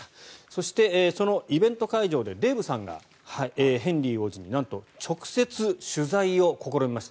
そして、そのイベント会場でデーブさんがヘンリー王子になんと直接、取材を試みました。